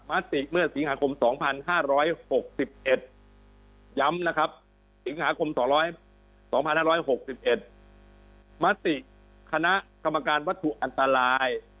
มติเมื่อสิงหาคม๒๕๖๑ย้ำนะครับสิงหาคม๒๕๖๑มติคณะกรรมการวัตถุอันตราย